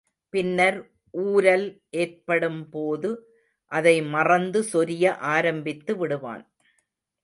பின்னர் ஊரல் ஏற்படும்போது அதை மறந்து சொரிய ஆரம்பித்து விடுவான்.